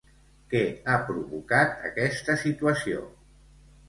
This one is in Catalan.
Què ha provocat aquesta situació?